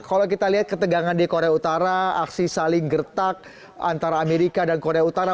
kalau kita lihat ketegangan di korea utara aksi saling gertak antara amerika dan korea utara